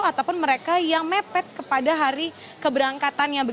ataupun mereka yang mepet kepada hari keberangkatannya